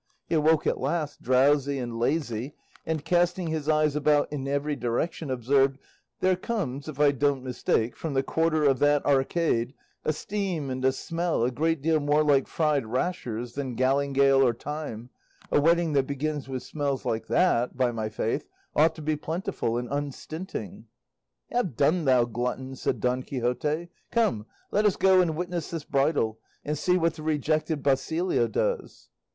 He awoke at last, drowsy and lazy, and casting his eyes about in every direction, observed, "There comes, if I don't mistake, from the quarter of that arcade a steam and a smell a great deal more like fried rashers than galingale or thyme; a wedding that begins with smells like that, by my faith, ought to be plentiful and unstinting." "Have done, thou glutton," said Don Quixote; "come, let us go and witness this bridal, and see what the rejected Basilio does."